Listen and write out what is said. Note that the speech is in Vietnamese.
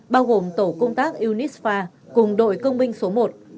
bao gồm tổ công tác unispa cùng đội công binh số một